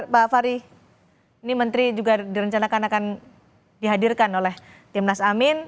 pak fary ini menteri juga direncanakan akan dihadirkan oleh tim nasamin